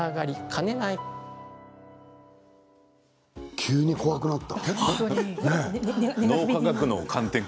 急に怖くなった。